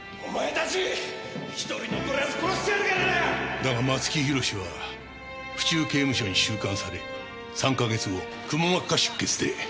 だが松木弘は府中刑務所に収監され３か月後くも膜下出血で病死している。